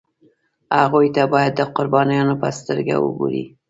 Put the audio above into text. هغوی ته باید د قربانیانو په سترګه وګوري.